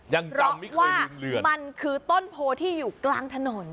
ยังจำไม่เคยลืมเหลือนเพราะว่ามันคือต้นโพที่อยู่กลางถนน